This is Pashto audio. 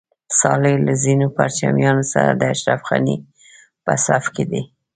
صالح له ځینو پرچمیانو سره د اشرف غني په صف کې دی.